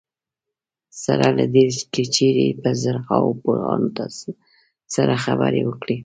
سره له دې که چېرې په زرهاوو پوهان تاسو سره خبرې وکړي.